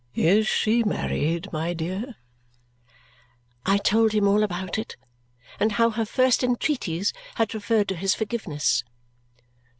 "Is she married, my dear?" I told him all about it and how her first entreaties had referred to his forgiveness.